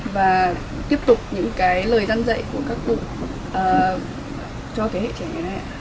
và tiếp tục những lời dân dạy của các cụ cho hệ trẻ này